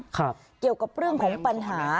เกี่ยวกับเรื่องของปัญหา